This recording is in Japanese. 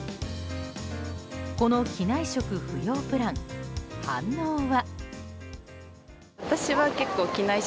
この機内食不要プラン反応は？